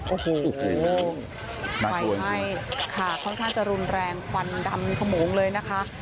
โอ้โหไฟไหม้ค่ะค่อนข้างจะรุนแรงควันดำขโมงเลยนะคะ